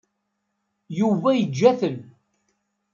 Yuba yeǧǧa-ten.